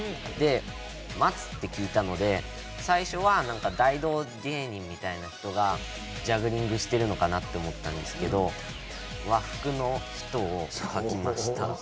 で松って聞いたので最初は大道芸人みたいな人がジャグリングしてるのかなって思ったんですけど和服の人をかきました。